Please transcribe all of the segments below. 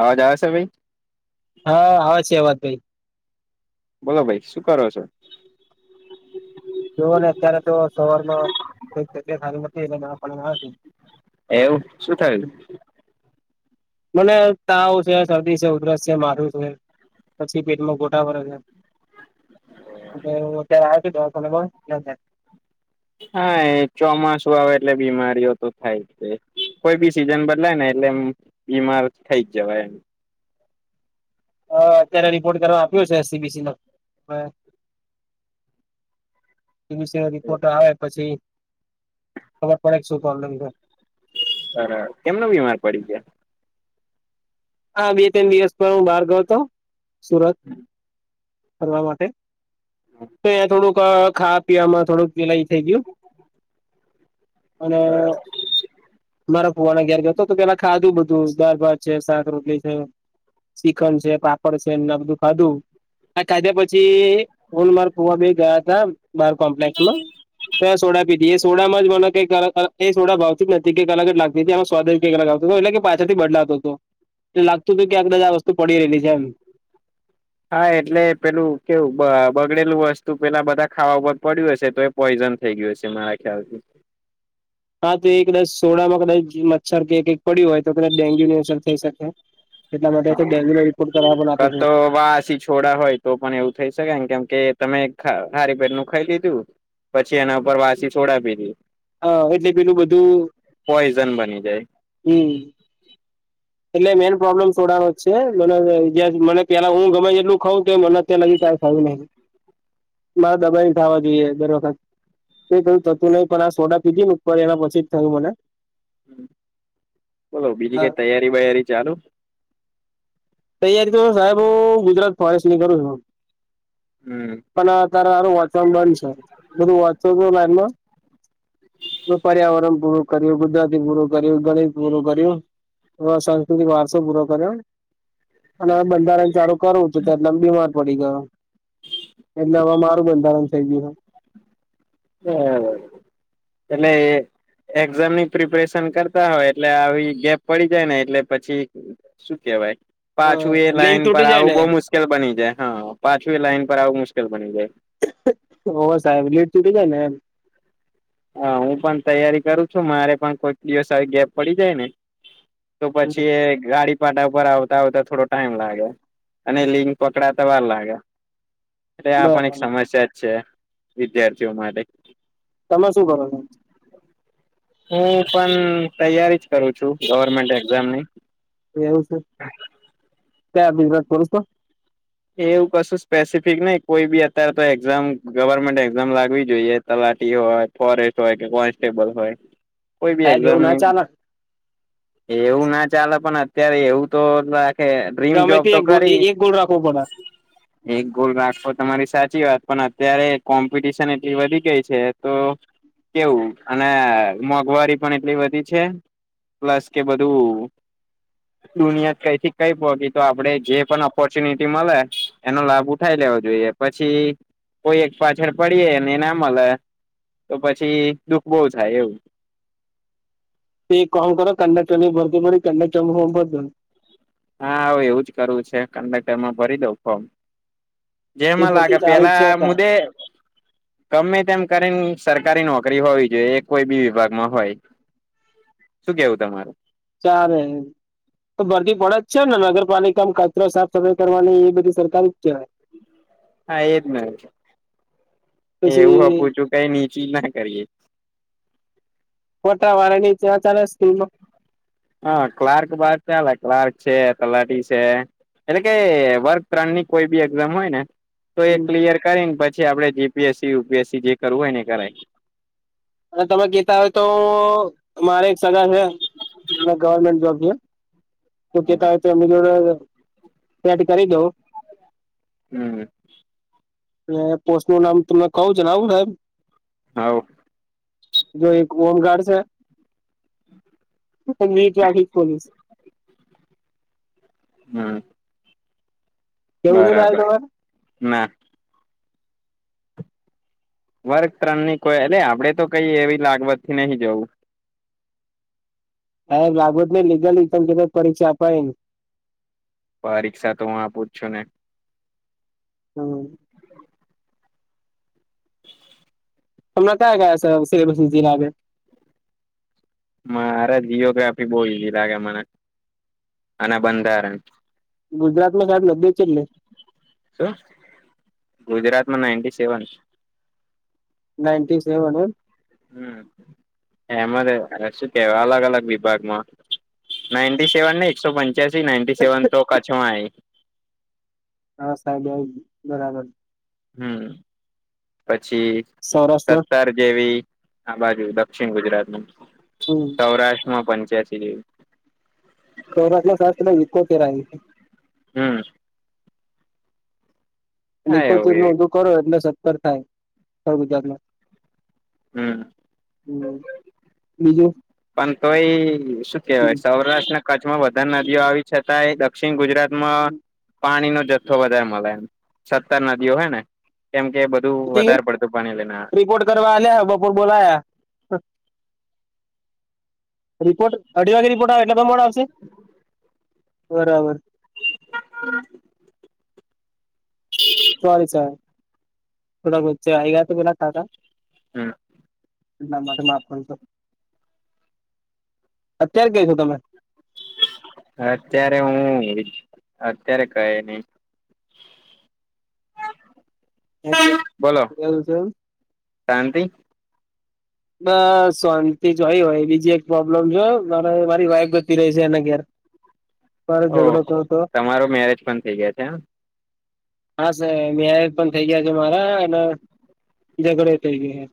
અવાજ આવે છે ભાઈ હા આવે છે અવાજ. બ. બોલો ભાઈ શું કરો છો. જોને અત્યારે તો સવારમાં કઈક જગ્યા સારી નથી એ એવું શું થયું. મને તાવ છે શરદી છે ઉધરસ છે મારું છે પછી પેટમાં ગોટા ભે છે હું અત્યારે આવ છ. કોબ લ હા એ ચોમાસું આવે એટલે બીમારીઓ તો થાય જ કોઈ બી સીઝન બદલાય ને એટલે એ બીમાર થઈ જ જવાય એમ. હ અત્યારે રિપોર્ટ કરવા આપ્યો છે એસીબીસી નો હ. પ રિપોર્ટ આવે પછી. ખબર પડે શું તોનન બરાબર કેમનો બીમાર પડી ગયા. હા બે ત્રણ દિવસ પર હું બહાર ગયો હતો. સુરત. કરવા માટે તો એ થોડું. ખાવા પીવા માં થોડુંક. પેલા થઈ ગયું અને મારા ફુવાના ગયાર ગ હતો તો પેલા ખાધું બધું. ારબાદ છે સાક શીખડ છે પાપડ છે એમને બધું ખાધું આ ખાધ્યા પછી ઓલ માર્ ફવા બે ગયા હતામ. બાર કોમ્પ્લેક્સમાં તો સોડા પીધી એ સોડામાં જ મને કઈ એ સોડા ભાવતી જ નથી કઈ અલગ જ લાગતી હતી એમાં સ્વાદ કઈકલ ગ આવતીું એટલે કે પાછળ. બદલાતો હતો. એટ લાગતું હતું કેંક બધા વસ્તુ પડી રહેલી છે એમ. હા એટલે પેલું કેવું બગડેલું વસ્તુ પેલા બધા ખાવા ઉપ ઉપર પડ્યું હશે તો એ પોઈઝન થઈ ગયું હશે મારા ખ્યાલથી હા તો એ કદાચ સોડામાં કદાચ મચ્છર ક કઈક પડ્યું હોય તો કદાચ ડેન્ગ્યુ ની અસર થઈ શકે. એટલા માટે તો ડેન્ગ્યુનો રિપોર્ટ કરવા પણ ક આપે છે તો વાસી છોડા હોય તો પણ એવું થઈ શકે કેમકે તમે ખારી પેટ નું ખાઈ લીધું પછી એના ઉપર વાસી છોડીધી હ એટલે પેલું બધું પોઈઝન બની જાય. હમ. એટલે મેઈન પ્રોબ્લેમ છોડવાનો જ છે મને જે મને પેલા હું ગમે એટલું ખઉ. મન નથીજી કાય ફયું ન મારા દબાઈ ખવા જોરદાર વખત એ કું થતું નહીં. પણ આ સોડા પીધી ને ઉપર એના પછી જ થયું મને [unintelligible] બોલો બીજી કઈ તૈયારી વયારી ચાલુ તૈયારી તો સાહેબ હું ગુજરાત ફોરેસ્ટની કરું છું. હમ પણ આ તારરું વાચવરણ બંધ છે બધું વા લાઈનમાં પર્યાવરણ પૂરું કર્યું ગુજરાતી પૂરું કર્યું ગણિત પૂરું કર્યું સાંસ્કૃતિક વારસો પૂરો કર્યો. અને બંધારણ ચારું કરવું છું એટલે બીમાર પડી ગયો એટલે હવે મારું બંધારણ થઈ ગયું છે. હ એટલે એક્ઝામની પ્રિપરેશન કરતા હોય એટલે આવી ગેપ પડી જાય ને એટલે પછી શું કેવાય પાછું એ લિંક લાઈન પર તૂટી જાય આવું ને બોવ મુશ્કેલ બની જાય હા પાછું એ લાઈન પર આવું મુશ્કેલ બની જાય સુતી જાય ને એમ હા હું પણ તૈયારી કરું છું મારે પણ કોઈક દિવસ આવી ગેપ પડી જાય ને તો પછી ગાડી પાટા ઉપર આવતા આવતા થોડો ટાઈમ લાગે અને લિંક પકડાતા વાર લાગે એટલે આ પણ એક બરાબર સમસ્યા જ છે. વિદ્યાર્થીઓ માટે તમે શું કરો છો. હું પણ તૈયારી જ કરું છું ગવર્મેન્ટ એક્ઝામની એવું છે. ક્યા બિઝનેસ કરું તો એવું કશું સ્પેસિફિક નય કોઈ બી અત્યારે તો એક્ઝામ ગવર્મેન્ટ એક્ઝામ લાગવી જોઈએ તલાટી હોય ફોરેસ્ટ હોય કે કોન્સ્ટેબલ હોય. કોઈ બી સાહેબ એવું ના એક્ઝામની ચાલે એવું ના ચાલે પણ અત્યારે એવું તો ડ્રીમ અમે એક જોબ તો ખરી એક ગોલ રાખવો પડે એક ગોલ રાખો તમારી સાચી વાત પણ અત્યારે કોમ્પિટિશન એટલી વધી ગઈ છે તો કેવું અને મોંઘવારી પણ એટલી વધી છે પ્લસ કે બધું દુનિયા કયથી કઈ પગી તો આપડે જે પણ ઓપોર્ચુનિટી મળે એનો લાભ ઉઠાય લેવો જોઈએ પછી કોઈ એક પાછળ પડીએ ને ના મળે તો પછી દુઃખ બહુ થાય એવું તે કણ કરો કન્ડકટર ભરતી ભરી કન્ડકટર ભર હા હ એવું જ કરવું છે કન્ટક્ટરમાં ભરી દઉં ફોર્મ એ જેમાં ભરતી લાગે ચાલુ જ પેલા છે અતાર મુદે ગમે તેમ કરીન સરકારી નોકરી હોવી જોઈએ એ કોઈ બી વિભાગમાં હોય શું કેવું તમારું ચાલે તો ભરતી પડે જ છે ને નગરપાલિકામાં કચરો સાફ સફાઈ કરવાની એ બધી સરકાર જ કહેવાય હા એજ ને એવું પછી આપું છું કઈ નીચી ના કરીએ ફોટા વાળાની ત્યાં ચાલે સ્કિલમાં હા ક્લાર્ક બાર ચાલે ક્લાર્ક છે તલાટી છે એટલે કે વર્ક ત્રણની કોઈ બી એક્ઝામ હોય ને તો એ ક્લિયર કરીને પછી આપડે જી પીએસસીયુપીએસસી જે કરવું હોય ને કરાય અને તમે કતા હોય તો મારે એક સગા છે એ ગવરમેન્ટ જોબ છે. તો કેતા હોય તો એમની જોડે સેટ કરી દઉ હમ અને પોસ્ટનું નામ તમને કવુ જણાવું સાહેબ ણાવો જો એક હોમગાર્ડસ છે તેમની ટ્રાફિક પોલીસ હમ કેવું છે સાહેબ બરાબર તમારે ના વર્ગ ત્રણ ની કોઈ એટલે આપડે તો કઈ એવી લાગવતથી નહીજવું. હબ લાભોદ ને લીગલમ ક પરીક્ષા અપાય. પરીક્ષા તો હું આપ પું છું ને. હમ. હમણા કયા ગયા છે સ જલા. મારે જીઓગ્રાફી બહ ઈઝી લાગે મને અને બંધારણ. ગુજરાતમાં સાહેબ લગે છેટને શું ગુજરાતમાં નાઇન્ટી સેવન નાઈન્ટી સેવન હ એમાં શું કેવાય અલગ અલગ વિભાગમાં નાી સેવન ને એકસો પંચ નાઇન્ટટી સેવન તો કચછમાં હા સાહેબ આવી બરાબર હમ પછી સૌરાષ્ટ્રમાં સત્સર જેવી આ બાજુ દક્ષિણ ગુજરાત માં હમ સૌરાષ્ટ્રમાં પણ જય શ્રી દવ ચો સા કો કેરા હમ એ હા એવું ઇકોતેર નું એવી ઓધું કરો એટલે થાય ગુજરાતમાં હમ હમ બીજું પણ તો એ શું કેહેવાય સૌરાષ્ટ્રના કચ્છમાં બધા નદીઓ આવી છતાં દક્ષિન ગુજરાત પાણી ન જથ્થો વધારે મળે સત્તર નદીઓ હોય ને એમ રિપોર્ટ કરવા આલયા બપોર બોલાયા રિપોર્ટ અઢીવાગે રિપોર્ટ આવે બપોર આવશે બરાબર હમ સોરી સાર થોડવચેઆઈ ગયા તો બલા કાકા હમ [inaudible] એટલા માટે માપ કરું તો અત્યારે ક છો તમે અત્યારે હું અત્યારે કહે નહી બું શાંતિ છે બ શાંતિ જોય હોય બીજી એક પ્રોબ્લેમ છે મારે મારી વાઈફ બતી રહી છે એના ઘેર મારો ઓ ઝઘડો થયો હતો તમારો મેરેજ પણ થઇ ગયા છે એમ હા સર મેયેજ પણ થઇ ગયા છે મારા અને ઝઘડે થઇ ગયા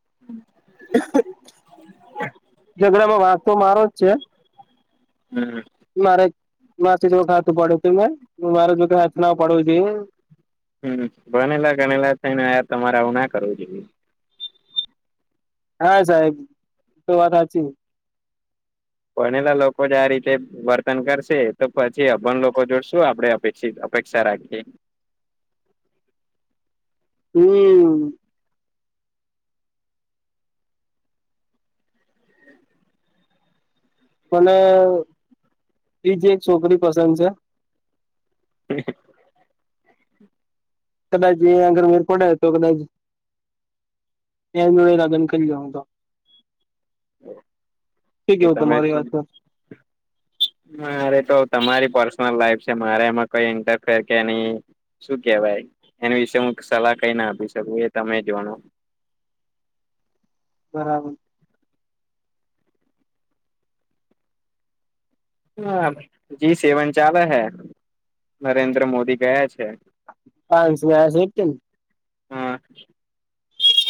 [inaudible] [inaudible] [inaudible] ઝઘડામાં વાંક તો મારો જ છે હમ મારે માથે [unintelligible] હાથ ન પડ્યો તમે મે મારે જો હાથ ના ઉપાડવો જોઈએ. હમ, ભણેલા, ગણેલા થઈને તમારે આવું ના કરવું જોઈએ. હા, સાહેબ તો વાત સાચી. ભણેલા લોકો જો આ રીતે વર્તન કરશે, તો પછી અભણ લોકો જોડશું આપણેે શું અપેક્ષિત અપેક્ષા રાખીએ. હમ. મને, બીજી એક છોકરી પસંદ છે. [unintelligible] કદાચ એ આગળ મેળ પડે તો કદાચ એની જોડે લગન કરી લઉં હું તો. શું એ કેવું તમે જ. તમારી વાત પર મારે તો તમારી પર્સનલ લાઈફ છે મારે એમાં કઈ ઇન્ટરફેર કેની શું કેહેવાય, એની વિશે હું સલાહ કઈ ના આપી શકું એ તમે જોણો. બરાબર. હા, જે સેવન ચાલે હે નરેન્દ્ર મોદી કહે છે. [unintelligible] હા.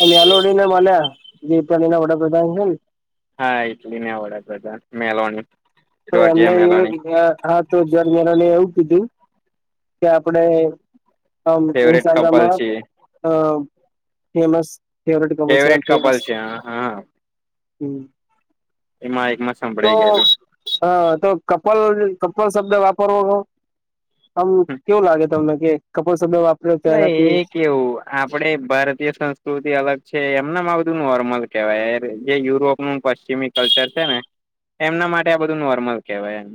અમે મેંલોડીને મલ્યા જે ઇટાલીના વડાપ્રધાન છે ને હા, ઇટલીના વઙાપ્રધાન મેલોની. તો એમને જોર્જિયા મેલોની એ હા, તો [unintelligible] એવું કીધું. કે, આપણે અમ ફેવરેટ કપલ ઇસ્ટાગ્રામમાં છીએ અ ફેમસ. કપલ છે ફેવરેટ કપલ છે. હા, હા. હમ. એમાં એકમાં સંભળાઈ ગયેલું. હા, તો કપલ, કપલ શબ્દ વાપરવો. આમ કેવું લાગે તમને કે કપલ્સ એ કેવું, આપણે ભારતીય સંસ્કૃતિ અલગ છે એમના આવ નોર્મલ કેવાય. જે યુરોપનું પશ્ચિમી કલ્ચર છે ને, એમના માટે આ બધું નોર્મલ કેહેવાય એમ.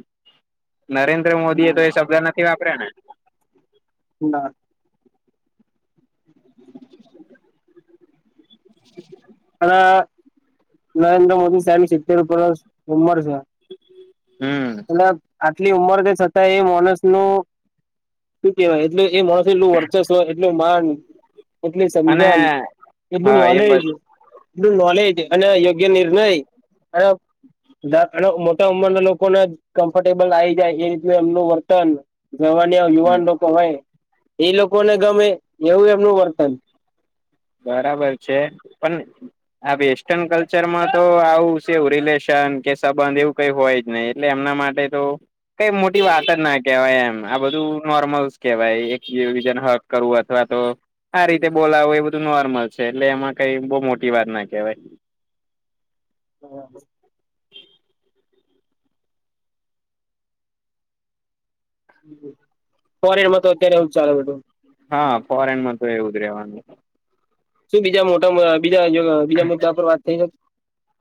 નરેન્દ્ર મોદીએ તો એ શબ્દ નથી વાપર્યા ને. ના. [inaudible] અને નરેન્દ્ર મોદી સાહેબ સિત્તેર ઉપર ઉંમર છે. [unintelligible] અલ્યા આ એટલી ઉંમર છે. છતાંય એ મોણસનું શુ કહેવાય? એટલે એ મોણસ એટલું વર્ચસ્વ, એટલું માન, એટલી અને સમજન, એટલું હા એ બ નોલેજ એનું નોલેજ અને યોગ્ય નિર્ણય અને મોટા ઉંમરના લોકોને કમ્ફર્ટેબલ આવી જાય એ રીત એમનું વર્તન જવાનીયા યુવાન લોકો હોય એ લોકોને ગમે એવું એમનું વર્તન. બરાબર છે. પણ આ વેસ્ટન કલ્ચરમાં તો આવું છે એવું રિલેશન કે સંબંધ એવું કઈ હોય જ નહી એટલે એમના માટે તો કઈ મોટી વાત જ ના કહેવાય એમ. આ બધું નોર્મલસ કેવાય એક-બીજાને હગ કરવું અથવા તો આ રીતે બોલાવો એ બધું તું નોર્મલ છે એટલે એમાં કઈ બઉ મોટી વાત ના કેહેવાય. [unintelligible] ફોરેનમાં તો અત્યારે હુ ચાલે બધુ. હા, ફોરેનમાં તો એવું જ રેવાનું. શું બીજા મોટા બીજા બીજા મુદ્દા પર વાત થઈ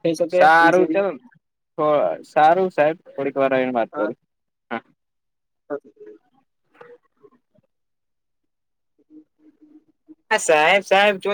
થઈ શકે એ સારું ચલ શેરીમાં અ સારું સાહેબ થોડીકવાર રઈને વાત કરું હા હ. [inaudible] આ સાહેબ સાહેબ ચો